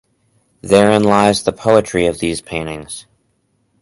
Therein lies the poetry of these paintings.